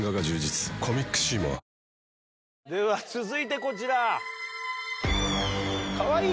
続いてこちら。